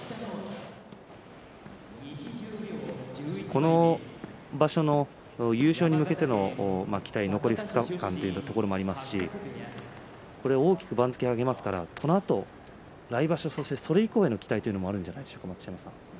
この場所の優勝に向けての期待残り２日間というところもありますし大きく番付を上げますからこのあと来場所それ以降の期待というのもそうですね。